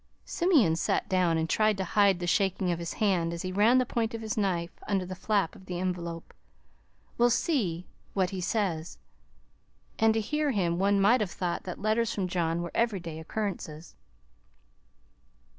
Simeon sat down and tried to hide the shaking of his hand as he ran the point of his knife under the flap of the envelope. "We'll see what he says." And to hear him, one might have thought that letters from John were everyday occurrences.